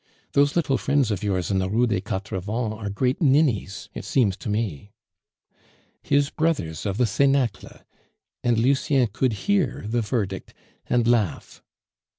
"Those little friends of yours in the Rue des Quatre Vents are great ninnies, it seems to me." His brothers of the cenacle! And Lucien could hear the verdict and laugh.